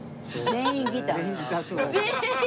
全員ギター。